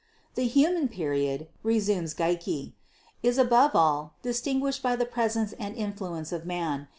"The Human Period," resumes Geikie, "is above all distinguished by the presence and influence of man.